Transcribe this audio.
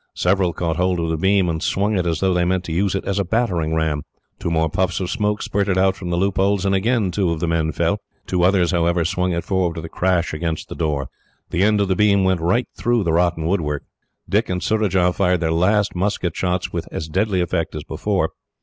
Several caught hold of the beam, and swung it as though they meant to use it as a battering ram. Two more puffs of smoke spurted out from the loopholes, and again two of the men fell. The others, however, swung it forward with a crash against the door. The end of the beam went right through the rotten woodwork. Dick and Surajah fired their last musket shots with as deadly effect as before.